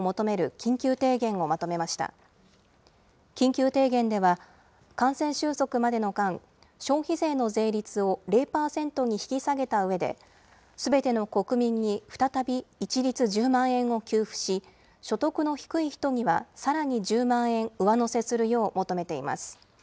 緊急提言では、感染収束までの間、消費税の税率を０％に引き下げたうえで、すべての国民に再び一律１０万円を給付し、所得の低い人にはさらに１０万円、上乗せするよう求めています。